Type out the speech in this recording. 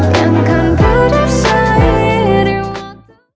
yang kan berdiri di matiku